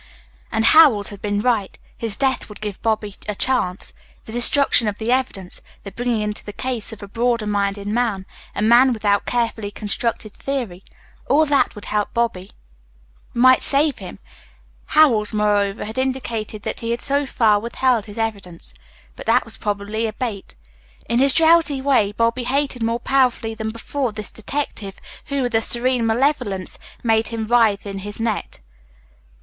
And Howells had been right. His death would give Bobby a chance. The destruction of the evidence, the bringing into the case of a broader minded man, a man without a carefully constructed theory all that would help Bobby, might save him. Howells, moreover, had indicated that he had so far withheld his evidence. But that was probably a bait. In his drowsy way Bobby hated more powerfully than before this detective who, with a serene malevolence, made him writhe in his net.